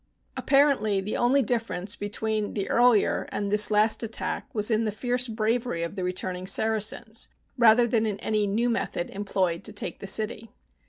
Apparently, the only difference between the ear lier and this last attack was in the fierce bravery of the returning Saracens, rather than in any new method employed to take the city.